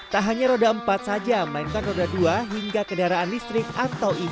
tak hanya roda empat saja melainkan roda dua hingga kendaraan listrik atau ev